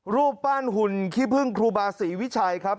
รูปปั้นหุ่นขี้พึ่งครูบาศรีวิชัยครับ